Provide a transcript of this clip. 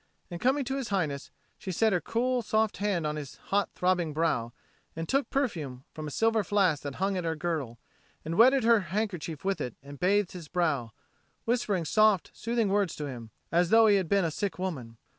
and coming to His Highness she set her cool soft hand on his hot throbbing brow, and took perfume from a silver flask that hung at her girdle, and wetted her handkerchief with it and bathed his brow, whispering soft soothing words to him, as though he had been a sick woman.